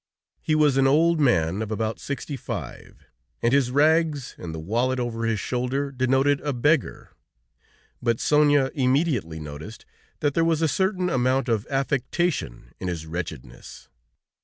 He was an old man of about sixty five, and his rags and the wallet over his shoulder denoted a beggar, but Sonia immediately noticed that there was a certain amount of affectation in his wretchedness.